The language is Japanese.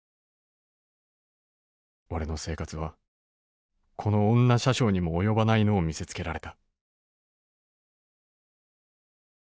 俺の生活はこの女車掌にも及ばないのを見せつけられた」。